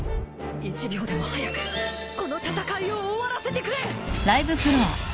１秒でも早くこの戦いを終わらせてくれ！